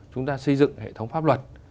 chúng ta xây dựng hệ thống pháp luật